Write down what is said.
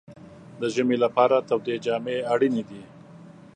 د ژمي لپاره تودې جامې اړینې دي.